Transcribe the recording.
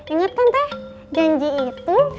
ingat kan teh janji itu